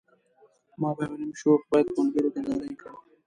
ما به يو نيم شوخ بيت ملګرو ته ډالۍ کړ.